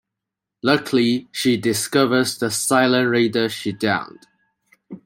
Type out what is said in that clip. Luckily, she discovers the Cylon Raider she downed.